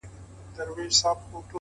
ځم ورته را وړم ستوري په لپه كي ـ